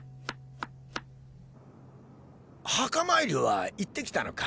墓参りは行ってきたのか？